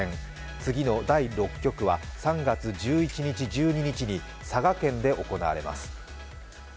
次の第６局は３月１１日、１２日で佐賀県で行われます。